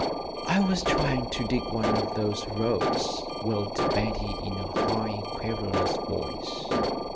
"I was trying to dig one of those roads," wailed Betty, in a high, querulous voice.